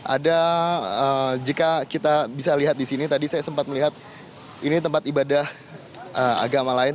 ada jika kita bisa lihat di sini tadi saya sempat melihat ini tempat ibadah agama lain